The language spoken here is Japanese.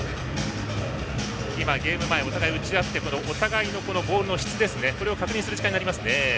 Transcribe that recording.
ゲーム前打ち合って、お互いのボールの質これを確認する時間になりますね。